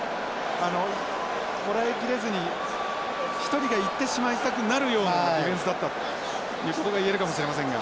こらえきれずに１人がいってしまいたくなるようなディフェンスだったということが言えるかもしれませんが。